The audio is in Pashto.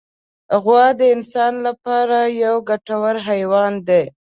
غوا د انسان له پاره یو ګټور حیوان دی.